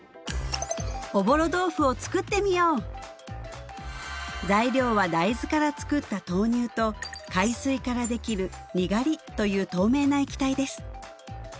おぼろ豆腐を作ってみよう材料は大豆から作った豆乳と海水からできる苦汁という透明な液体です